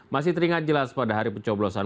masih teringat jelas pada hari pecah pecah